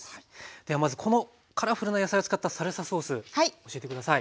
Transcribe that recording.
ではまずこのカラフルな野菜を使ったサルサソース教えて下さい。